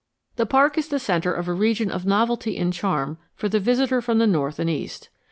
The park is the centre of a region of novelty and charm for the visitor from the North and East.